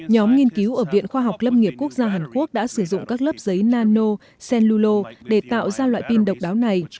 nhóm nghiên cứu ở viện khoa học lâm nghiệp quốc gia hàn quốc đã sử dụng các lớp giấy nano cellulo để tạo ra loại pin độc đáo này